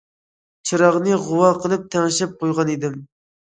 چىراغنى غۇۋا قىلىپ تەڭشەپ قويغان ئىدىم.